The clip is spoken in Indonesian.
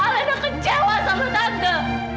alena kecewa sama tante